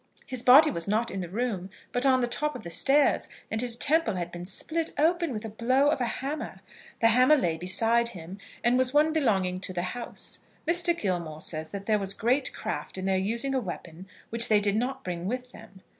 His body was not in the room, but on the top of the stairs, and his temple had been split open with a blow of a hammer. The hammer lay beside him, and was one belonging to the house. Mr. Gilmore says that there was great craft in their using a weapon which they did not bring with them.